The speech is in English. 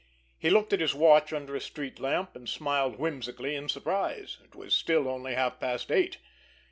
He looked at his watch under a street lamp, and smiled whimsically in surprise. It was still only half past eight.